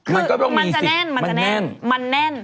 มันก็ต้องมีสิมันแน่น